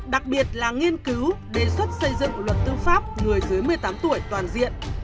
đặc biệt là nghiên cứu đề xuất xây dựng luật tư pháp người dưới một mươi tám tuổi toàn diện